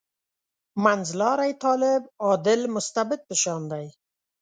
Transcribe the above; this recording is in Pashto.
منځلاری طالب «عادل مستبد» په شان دی.